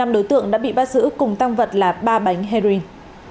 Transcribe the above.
năm đối tượng đã bị bắt giữ cùng tăng vật là ba bánh heroin